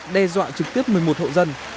đe dọa trực tiếp một mươi một hộ dân